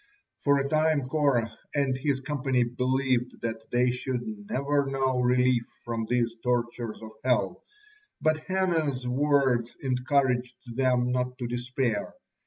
For a time Korah and his company believed that they should never know relief from these tortures of hell, but Hannah's words encouraged them not to despair.